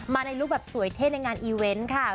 มาในลูกแบบสวยเท่ในงานอีเว้นค่ะ